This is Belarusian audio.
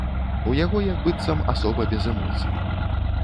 У яго як быццам асоба без эмоцый.